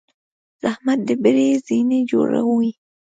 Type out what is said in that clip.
زحمت د بری زینې جوړوي.